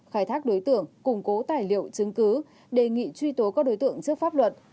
khai thác đối tượng củng cố tài liệu chứng cứ đề nghị truy tố các đối tượng trước pháp luật